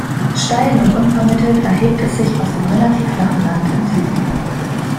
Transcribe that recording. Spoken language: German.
Steil und unvermittelt erhebt es sich aus dem relativ flachen Land im Süden.